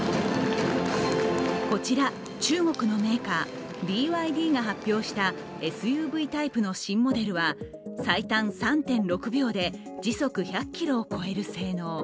こちら、中国のメーカーＢＹＤが発表したＳＵＶタイプの新モデルは最短３．６秒で時速１００キロを超える性能。